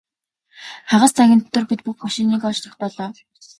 Хагас цагийн дотор бид бүх машиныг олж тогтоолоо.